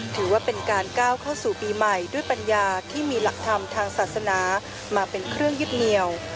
ถือว่าเป็นการก้าวเข้าสู่ปีใหม่ด้วยปัญญาที่มีหลักธรรมทางศาสนามาเป็นเครื่องยึดเหนียว